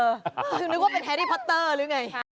คือนึกว่าเป็นแฮรี่พอตเตอร์หรือไง